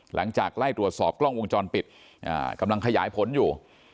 หลังจากไล่ตรวจสอบกล้องวงจรปิดกำลังขยายผลอยู่